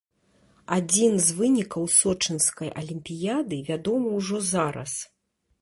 Адзін з вынікаў сочынскай алімпіяды вядомы ўжо зараз.